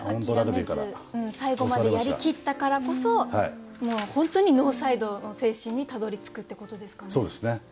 途中で諦めず最後までやりきったからこそもう本当にノーサイドの精神にたどりつくってことですかね。